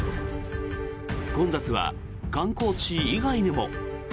混雑は観光地以外でも。